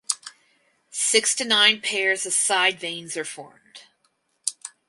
Six to nine pairs of side veins are formed.